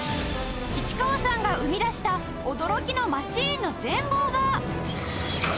市川さんが生み出した驚きのマシーンの全貌が！